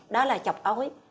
đó là chọc ối